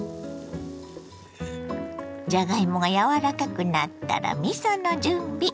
じゃがいもが柔らかくなったらみその準備。